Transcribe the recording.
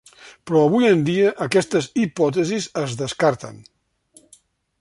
Però avui en dia aquestes hipòtesis es descarten.